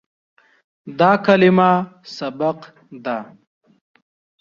دا کلمه "سبق" ده.